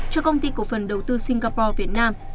cho công ty cổ phần đầu tư singapore việt nam